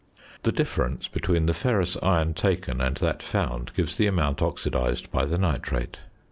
The difference between the ferrous iron taken and that found, gives the amount oxidized by the nitrate.